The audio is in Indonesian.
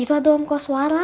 itu ada om koswara